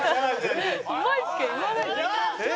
「うまい」しか言わない。